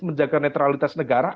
menjaga netralitas negara